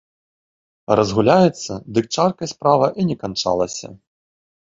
А разгуляецца, дык чаркай справа і не канчалася.